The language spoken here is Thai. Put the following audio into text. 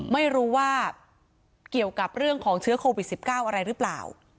ไม่รู้ว่าเกี่ยวกับเรื่องของเชื้อโควิด๑๙อะไรหรือเปล่า